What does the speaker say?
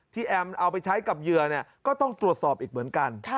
แอมเอาไปใช้กับเหยื่อก็ต้องตรวจสอบอีกเหมือนกัน